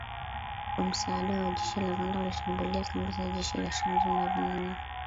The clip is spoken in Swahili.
kwa msaada wa jeshi la Rwanda, walishambulia kambi za jeshi za Tchanzu na Runyonyi